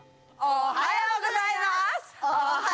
おはようございます！